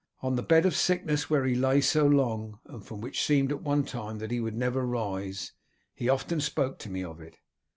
On the bed of sickness where he lay so long, and from which it seemed at one time that he would never rise, he often spoke to me of it.